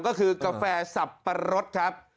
ก็คือกาแฟสับปะรดครับ